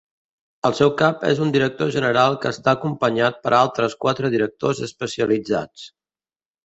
El seu cap és un Director General que està acompanyat per altres quatre directors especialitzats.